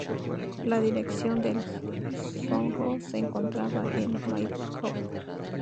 La dirección del "sovjós" se encontraba en Maikop.